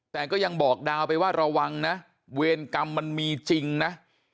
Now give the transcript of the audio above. แต่ก็ยังบอกดาวไปว่าระวังนะเวรกรรมมันมีจริงนะ